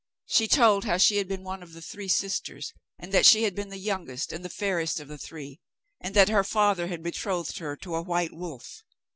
She told how she had been one of three sisters, and that she had been the youngest and the fairest of the three, and that her father had betrothed her to a white wolf.